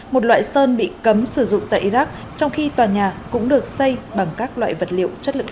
một loại sơn bị cấm sử dụng tại iraq trong khi tòa nhà cũng được xây bằng các loại vật liệu chất lượng